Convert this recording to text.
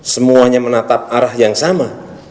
semuanya menatap arah yang sama